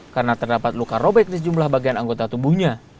karena terdapat luka robek di sejumlah bagian anggota tubuhnya